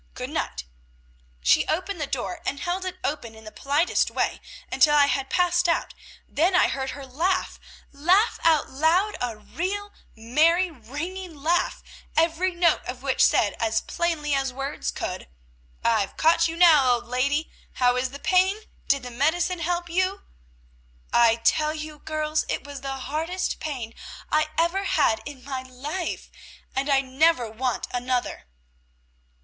Good night.' "She opened her door, and held it open in the politest way until I had passed out, then I heard her laugh laugh out loud, a real merry, ringing laugh, every note of which said as plainly as words could, "'I've caught you now, old lady. How is the pain? Did the medicine help you?' "I tell you, girls, it was the hardest pain I ever had in my life, and I never want another."